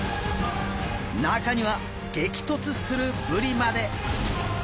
中には激突するブリまで。